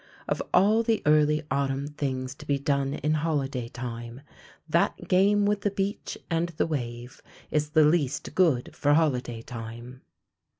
Of all the early autumn things to be done in holiday time, that game with the beach and the wave is the least good for holiday time.